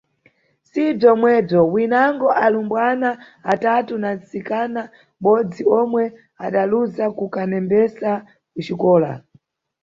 Si bzomwebzo, winango alumbwana atatu na ntsikana mʼbodzi omwe adaluza kukanembesa ku xikola.